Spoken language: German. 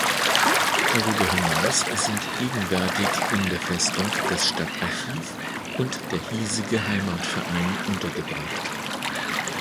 Darüber hinaus sind gegenwärtig in der Festung das Stadtarchiv und der hiesige Heimatverein untergebracht.